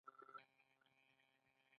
یوه لیکلې ازموینه ورکول اړین دي.